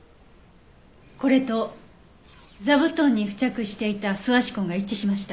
これと座布団に付着していた素足痕が一致しました。